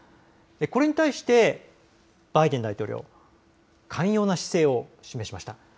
これに対してバイデン大統領、寛容な姿勢を示しました。